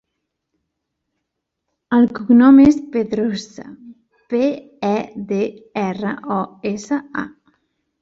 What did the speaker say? El cognom és Pedrosa: pe, e, de, erra, o, essa, a.